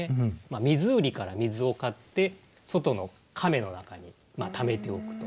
水売りから水を買って外の甕の中にためておくと。